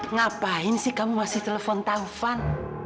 ngapain sih kamu masih telepon taufan